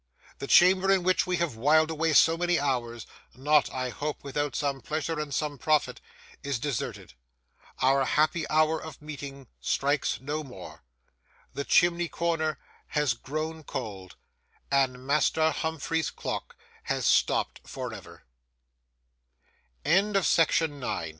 The chamber in which we have whiled away so many hours, not, I hope, without some pleasure and some profit, is deserted; our happy hour of meeting strikes no more; the chimney corner has grown cold; and MASTER HUMPHREY'S CLOCK has stopped